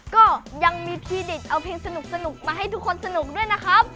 ก็ยังมีทีเด็ดเอาเพลงสนุกมาให้ทุกคนสนุกด้วยนะครับ